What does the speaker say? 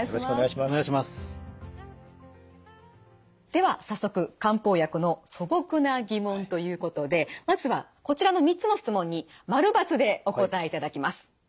では早速漢方薬の素朴な疑問ということでまずはこちらの３つの質問に○×でお答えいただきます。